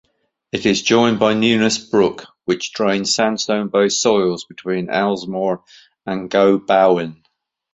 It is joined by Newnes Brook, which drains sandstone-based soils between Ellesmere and Gobowen.